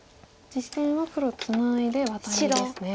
実戦は黒ツナいでワタリですね。